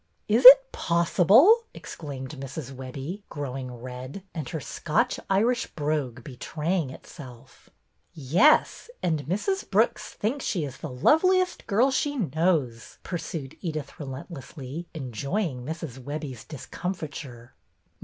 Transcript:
"Is it possible!" exclaimed Mrs. Webbie, growing red, and her Scotch Irish brogue be traying itself. " Yes. And Mrs. Brooks thinks she is the loveliest girl she knows," pursued Edyth, relent lessly, enjoying Mrs. Webbie's discomfiture.